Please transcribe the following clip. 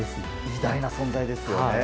偉大な存在ですよね。